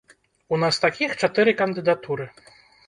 У нас такіх чатыры кандыдатуры.